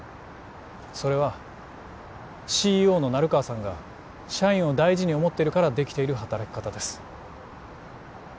それはＣＥＯの成川さんが社員を大事に思ってるからできている働き方です